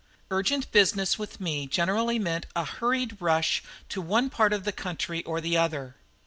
Urgent business with me generally meant a hurried rush to one part of the country or the other.